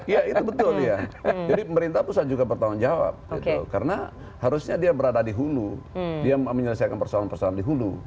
ya itu betul dia jadi pemerintah pusat juga bertanggung jawab karena harusnya dia berada di hulu dia menyelesaikan persoalan persoalan di hulu